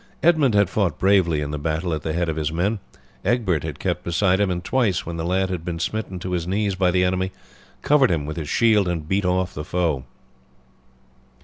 Edmund had fought bravely in the battle at the head of his men. Egbert had kept beside him, and twice, when the lad had been smitten to his knees by the enemy, covered him with his shield and beat off the foe.